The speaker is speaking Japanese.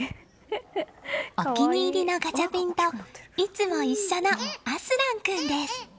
お気に入りのガチャピンといつも一緒のアスラン君です。